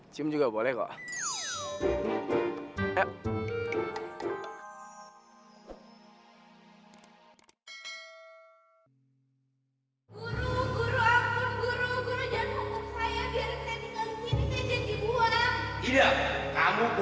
cium juga boleh kok